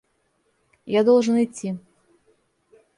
Я должен идти.